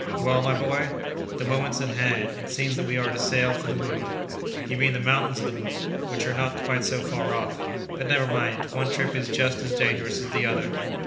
"Well, my boy?" "The moment's at hand. It seems that we are to sail for the moon." "You mean the Mountains of the Moon, which are not quite so far off. But, never mind, one trip is just as dangerous as the other!"